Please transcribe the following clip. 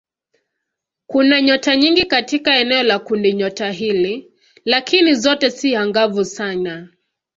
Kuna nyota nyingi katika eneo la kundinyota hili lakini zote si angavu sana.